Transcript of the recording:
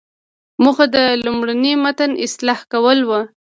موخه د لومړني متن اصلاح کول وو.